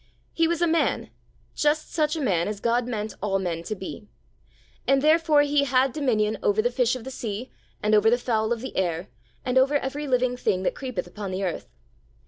He was a man, just such a man as God meant all men to be. And therefore He 'had dominion over the fish of the sea, and over the fowl of the air, and over every living thing that creepeth upon the earth.'